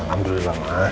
makam dulu banget